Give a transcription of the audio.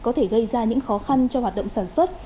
có thể gây ra những khó khăn cho hoạt động sản xuất